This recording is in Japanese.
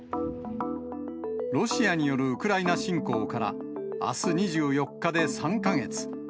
ロシアによるウクライナ侵攻からあす２４日で３か月。